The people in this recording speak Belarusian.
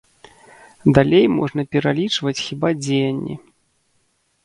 Далей можна пералічваць хіба дзеянні.